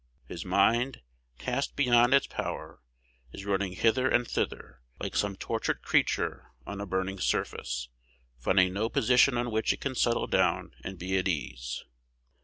His mind, tasked beyond its power, is running hither and thither, like some tortured creature on a burning surface, finding no position on which it can settle down and be at ease.